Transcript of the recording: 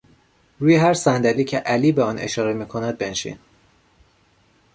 روی هر صندلی که علی به آن اشاره میکند بنشین!